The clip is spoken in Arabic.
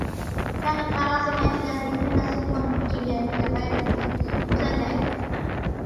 كان القراصنة يستهدفون السفن التجارية غير المسلحة.